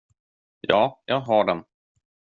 Ja, jag har den.